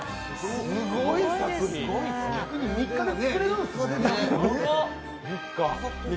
３日で作れるんですね。